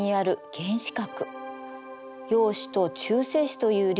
原子核。